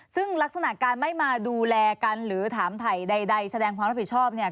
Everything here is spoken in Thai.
ซึ่งลักษณะการไม่มาดูแลกันหรือถามถ่ายใดแสดงความรับผิดชอบเนี่ย